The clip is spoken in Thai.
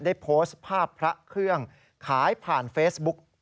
ได้โพสต์ภาพพระเครื่องขายผ่านเฟซบุ๊ก